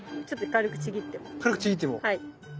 軽くちぎっても。